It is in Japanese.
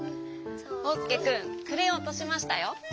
おうすけくんクレヨンおとしましたよ。